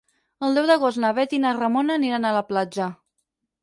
El deu d'agost na Bet i na Ramona aniran a la platja.